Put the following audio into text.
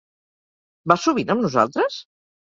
Vas sovint amb nosaltres?